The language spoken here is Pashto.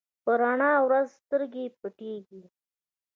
په رڼا ورځ سترګې پټېږي.